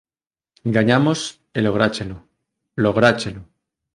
Gañamos e lográchelo. Lográchelo.